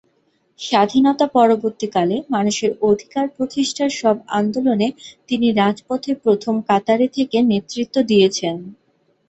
স্বাধীনতা পরবর্তীকালে মানুষের অধিকার প্রতিষ্ঠার সব আন্দোলনে তিনি রাজপথে প্রথম কাতারে থেকে নেতৃত্ব দিয়েছেন।